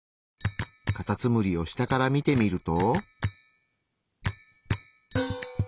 カタツムリを下から見てみると。